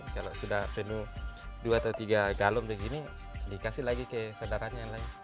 kalau sudah penuh dua atau tiga galum begini dikasih lagi ke sendarannya lagi